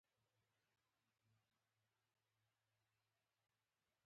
بله طریقه د ځانګړتیاوو لیست کول دي.